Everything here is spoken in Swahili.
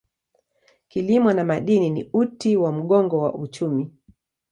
Kilimo na madini ni uti wa mgongo wa uchumi.